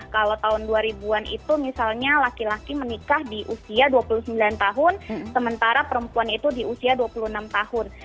kalau tahun dua ribu an itu misalnya laki laki menikah di usia dua puluh sembilan tahun sementara perempuan itu di usia dua puluh enam tahun